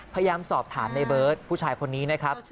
พยายามสอบถามในเบิร์ตผู้ชายคนนี้นะครับ